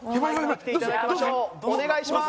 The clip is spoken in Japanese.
お願いします。